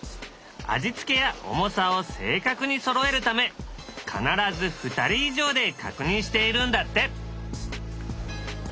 味付けや重さを正確にそろえるため必ず２人以上で確認しているんだって。